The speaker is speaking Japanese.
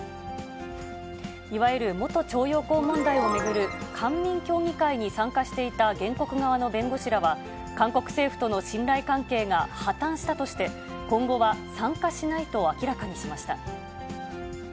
いわゆる元徴用工問題を巡る官民協議会に参加していた原告側の弁護士らは、韓国政府との信頼関係が破綻したとして、今後は参加しないと明らかにしました。